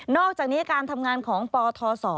อกจากนี้การทำงานของปทศ